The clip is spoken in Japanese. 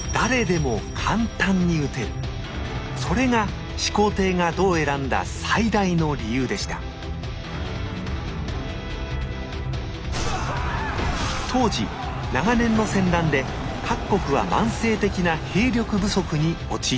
それが始皇帝が弩を選んだ最大の理由でした当時長年の戦乱で各国は慢性的な兵力不足に陥っていました。